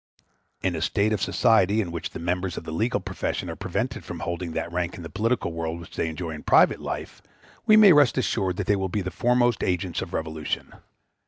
In a state of society in which the members of the legal profession are prevented from holding that rank in the political world which they enjoy in private life, we may rest assured that they will be the foremost agents of revolution.